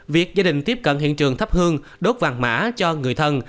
việc gia đình tiếp cận hiện trường thắp hương đốt vàng mã cho người thân